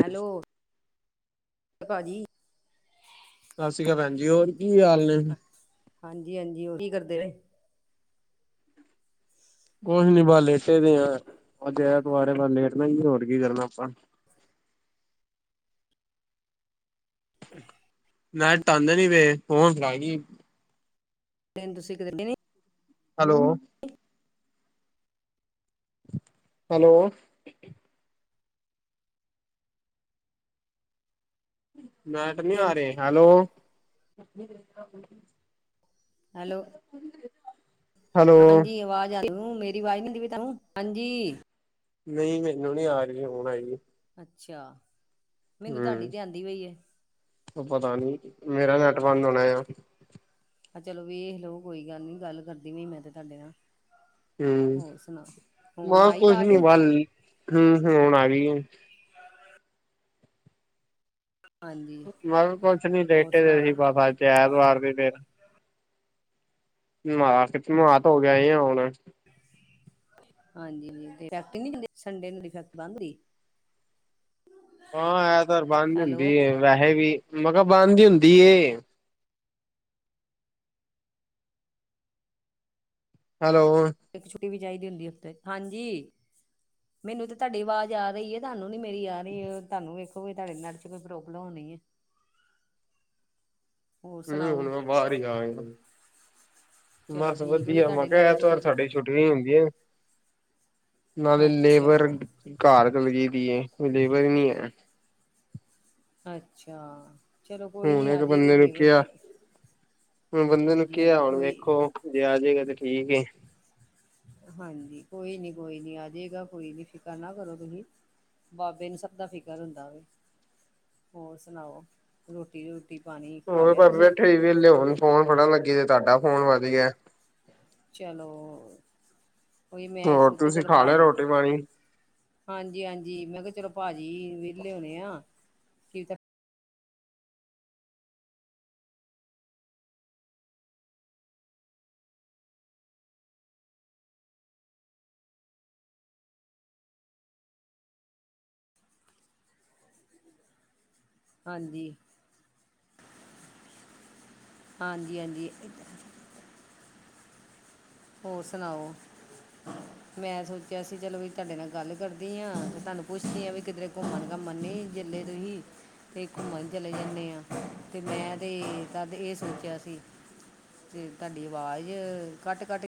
Hello. ਭਾਜੀ ਸਤਿ ਸ੍ਰੀ ਅਕਾਲ ਭੈਣ ਜੀ ਹੋਰ। ਕੀ ਹਾਲ ਨੇ ਹਾਂਜੀ ਹਾਂਜੀ ਕੀ ਕਰਦੇ। ਦੇਵੇ। ਕੁਛ ਨੀ ਬਸ ਲੇਟੇ ਦੇ ਆ ਅਜ ਐਤਵਾਰ ਐ ਬਸ ਲੇਟ ਨਾ ਹੀ ਹੋਰ ਕੀ ਕਰਨਾ ਆਪਾਂ। [unintelligible] ਨੈਟ ਆਂਦੇ ਨੀ ਪਏ ਹਣ ਫ ਗਈ ਨ ਤੁਸੀਂ ਕਿਤੇ [unintelligible] ਹੈਲੋ। ਹੈਲੋ। [unintelligible] ਮੈਟ ਨੀ ਆ ਰਹੇ ਹੈਲੋ। [unintelligible] ਹੈਲੋ ਹੈਲੋ ਹਾਂਜੀ ਆਵਾਜ਼ ਆ ਰਹੀ ਮੇਰੀ ਆਵਾਜ਼ ਨੀ ਆਦੀ ਪਈ ਤੁਹਾਨੂੰ ਹਾਂਜੀ। ਨਹੀਂ ਮੈਨੂੰ ਨਹੀਂ ਆ ਰਹੀ ਹੁਣ ਆਈ। ਅੱਛਾ। ਮੈਨੂੰ ਤੁਹਾਡੀ ਹੂੰ ਤੇ ਆਂਦੀ ਪਈ ਏ ਉਹ ਪਤਾ ਨੀ ਮੇਰਾ ਨੈਟ ਬੰਦ ਹੋਣਾ ਆ। ਆਹ ਚਲੋ ਵੀ ਇਹ ਲੋਓ ਕੋਈ ਗੱਲ ਨੀ ਗੱਲ ਕਰਦੀ ਪਈ ਮੈਂ ਤੇ ਤੁਹਾਡੇ ਨਾਲ ਹੂੰ ਹੋਰ ਸੁਣਾ ਹੁਣ ਬਸ ਆਈ ਕੁਛ ਆਵਾਜ਼ ਨੀ ਵੱਲ ਹੂੰ ਹੂੰ ਹੁਣ ਆ ਗਈ। ਹਾਂਜੀ ਬਸ ਕੁਛ ਨੀ ਹੋਰ ਲੇਟੇ ਦੇ ਸੁਣਾਓ ਸੀ ਬਤਾ ਅਜ ਐਤਵਾਰ ਸੀ। ਫੇਰ ਨਾ ਧੋ ਕੇ ਆਏ ਆ ਹੁਣ। ਹਾਂਜੀ ਤੇ ਫੈਕਟਰੀ ਨਹੀਂ ਹਦੇ ਸੰਡੇ ਨੂੰ ਫੈਕਟ ਬੰਦ ਰਹੀ। ਹਾਂ ਐਤਵਾਰ ਬੰਦ ਹੁੰਦੀ ਵੈਸੇ ਵੀ ਮੈਂ ਕਿਹਾ ਬਣਦੀ ਹੁੰਦੀ ਏ। ਹੈਲੋ, ਟੀ ਵੀ ਚਾਹੀਦੀ ਹੁੰਦੀ ਉੱਥੇ ਹਾਂਜੀ ਮੈਨੂੰ ਤੇ ਤੁਹਾਡੀ ਆਵਾਜ਼ ਆ ਰਹੀ ਹੈ ਤੁਹਾਨੂੰ ਨੀ ਮੇਰੀ ਆ ਰਹੀ ਹੈ ਤੁਹਾਨੂੰ ਵੇਖੋਗੇ ਤੁਹਾਡੇ ਨੈਟ ਚ ਕੋਈ ਪ੍ਰੋਬਲਮ ਹੋਣੀ ਐ। ਨਹੀ ਹੁਣ ਬਾਹਰੀ ਗਿਆ ਹੋਇਆ ਸੀ। ਚਲੋ ਬਸ ਠੀਕ ਹੋਈ ਵਧੀਆ ਮੈਂ ਤੁਹਾਡੇ ਕਿਹਾ ਨੈੱਟ 'ਚ ਪਰ ਐਤਵਾਰ ਸਾਡੀ ਛੁੱਟੀ ਹੋਈ ਹੁੰਦੀ ਆ। ਨਾਲੇ ਅੱਛਾ ਲੇਬਰ ਘਰ- ਗਲਗੀ ਦੀਏ ਮਲੀਵਰ ਨਹੀਂ ਹੈ। ਅੱਛਾ, ਚਲੋ ਕੋਈ ਹੁਣ ਨਹੀਂ ਆ ਇੱਕ ਜਾਏਗੀ ਬੰਦੇ ਨੂੰ ਲੇਬਰ ਕਿਹਾ 'ਚ ਹੁਣ ਬੰਦੇ ਨੂੰ ਹਾਂਜੀ ਕਿਹਾ ਹਾਂਜੀ ਹੁਣ ਕੋਈ ਵੇਖੋ ਜੇ ਆਜੇਗਾ ਤੇ ਠੀਕ ਏ। ਹਾਂਜੀ ਕੋਈ ਨਹੀਂ ਕੋਈ ਨਹੀਂ ਆ ਜਾਏਗਾ ਕੋਈ ਨਹੀਂ ਫਿਕਰ ਨਾ ਕਰੋ, ਤੁਸੀਂ ਬਾਬੇ ਨੂੰ ਸਭ ਦਾ ਫਿਕਰ ਹੁੰਦਾ ਵੇ ਹੋਰ ਸੁਣਾਓ ਰੋਟੀ ਰੋ ਹੋਰ ਘਰ ਬੇਠੇ ਸੀ ਵਿਹਲੇ ਹੁਣ ਫੋਨ ਫੜਨ ਲੱਗੇ ਤੁਹਾਡਾ ਫ਼ੋਨ ਵਧੀਆ। ਚਲੋ, ਉਹੀ ਮੈਂ ਹੋਰ ਸੋਚਿਆ ਤੁਸੀਂ ਚਲੋ ਖਾ ਲਿਆ ਭਾਜੀ ਰੋਟੀ ਪਾਣੀ ਹਾਂਜੀ -ਹਾਂਜੀ ਮੈਂ ਕਿਹਾ ਚਲੋ ਭਾਜੀ ਵਿਹਲੇ ਹੋਣੇ ਆ ਕੀ ਕਰ ਹਾਂਜੀ, ਹਾਂਜੀ -ਹਾਂਜੀ। ਹੋਰ ਸੁਣਾਓ ਮੈਂ ਸੋਚਿਆ ਸੀ ਚਲੋ ਵੀ ਤੁਹਾਡੇ ਨਾਲ ਗੱਲ ਕਰਦੀ ਹਾਂ ਤੇ ਤੁਹਾਨੂੰ ਪੁੱਛਦੀ ਹਾਂ ਵੀ ਕਿਧਰੇ ਘੁੰਮਣ ਘਾਮਣ ਨੀ ਜੇ ਤੁਸੀ ਤੇ ਘੁੰਮਣ ਚਲੇ ਜਾਂਦੇ ਆਂ ਤੇ ਮੈਂ ਤੇ ਤ ਇਹ ਸੋਚਿਆ ਸੀ ਤੇ ਤੁਹਾਡੀ ਆਵਾਜ਼ ਕੱਟ-ਕੱਟ